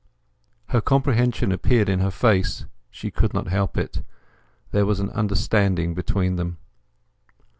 Her comprehension appeared in her face; she could not help it. There was an understanding between them.